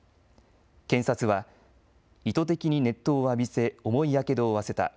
検察は意図的に熱湯を浴びせ重いやけどを負わせた。